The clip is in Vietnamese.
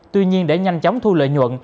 tuy nhiên để nhanh chóng thu lợi nhuận